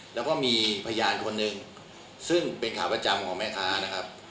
แล้วก็มีพยานคนหนึ่งซึ่งเป็นขาประจำของแม่ค้านะครับ